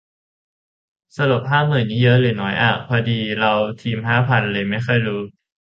สรุปห้าหมื่นนี่เยอะหรือน้อยอะ พอดีเลาทีมห้าพันเลยไม่ค่อยรู้